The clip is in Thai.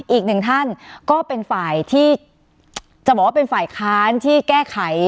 อีกหนึ่งท่านก็เป็นฝ่ายที่จะบอกว่าเป็นฝ่ายค้านที่แก้ไข